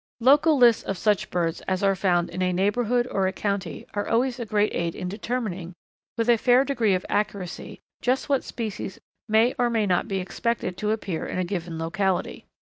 Local lists of such birds as are found in a neighbourhood, or a county, are always a great aid in determining, with a fair degree of accuracy, just what species may or may not be expected to appear in a given locality.